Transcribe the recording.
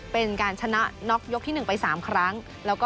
เป็นการชนะน็อกยกที่๑ไป๓ครั้ง